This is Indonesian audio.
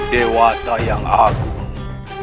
dewata yang agung